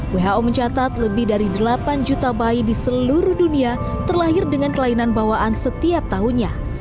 who mencatat lebih dari delapan juta bayi di seluruh dunia terlahir dengan kelainan bawaan setiap tahunnya